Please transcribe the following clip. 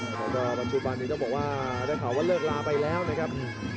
แล้วก็ปัจจุบันนี้ต้องบอกว่าได้ข่าวว่าเลิกลาไปแล้วนะครับ